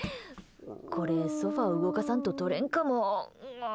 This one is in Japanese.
これ、ソファ動かさんと取れんかも。